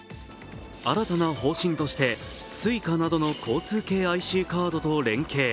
新たな方針としてＳｕｉｃａなどの交通系ＩＣカードと連携。